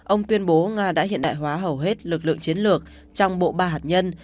ông tuyên bố nga đã hiện đại hóa hầu hết lực lượng chiến lược trong bộ ba hạt nhân